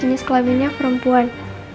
jenis kelaminnya perempuan